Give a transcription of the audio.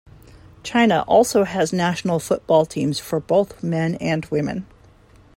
China also has national football teams for both men and women.